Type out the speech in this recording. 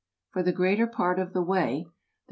For the greater part of the way there was vol.